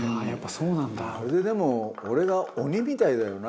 あれでも俺が鬼みたいだよな？